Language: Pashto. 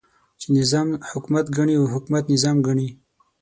چې نظام حکومت ګڼي او حکومت نظام ګڼي.